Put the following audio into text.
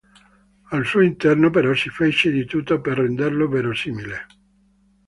Al suo interno però si fece di tutto per renderlo "verosimile".